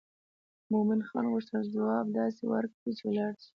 مومن خان غوښتل ځواب داسې ورکړي چې ولاړ شي.